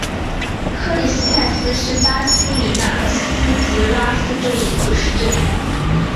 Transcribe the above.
克里斯泰斯是巴西米纳斯吉拉斯州的一个市镇。